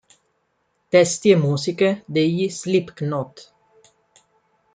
Testi e musiche degli Slipknot.